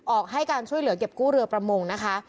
ให้การช่วยเหลือเก็บกู้เรือประมงนะคะ